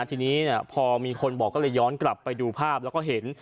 ทีนี้พอมีคนบอกก็เลยย้อนกลับไปดูภาพแล้วก็เห็น